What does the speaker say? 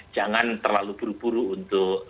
jangan terlalu buru buru untuk